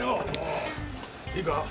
いいか？